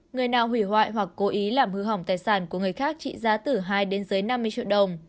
người nào hủy hoại hoặc cố ý làm hư hỏng tài sản của người khác trị giá từ hai đến dưới năm mươi triệu đồng